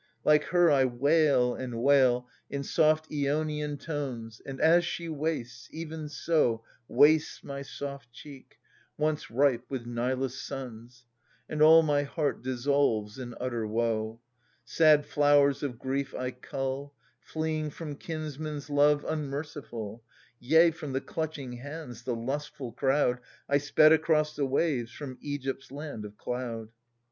Like her I wail and wail, in soft Ionian tones, Qg And as she wastes, even so Wastes my soft cheek, once ripe with Nilus' suns, And all my heart dissolves in utter woe. Sad flowers of grief I cull. Fleeing from kinsmen's love unmerciful — Yea, from the clutching hands, the lustful crowd, I sped across the wave^ from Egypt's land of cloud.